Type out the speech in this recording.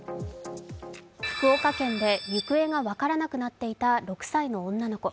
福岡県で行方が分からなくなっていた６歳の女の子。